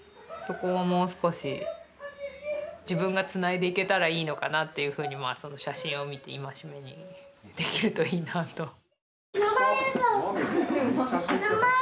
そこをもう少し自分がつないでいけたらいいのかなっていうふうにまあその写真を見て戒めにできるといいなあと。